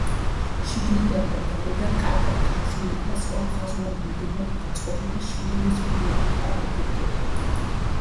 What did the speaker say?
შიგნიდან და გარედან კარგად გათლილი და სწორხაზოვან რიგებად დაწყობილი შირიმის ფილებითაა მოპირკეთებული.